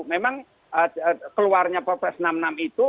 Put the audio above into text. memang keluarnya purpose enam enam itu